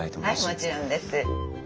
はいもちろんです。